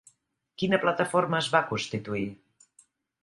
Quina plataforma es va constituir?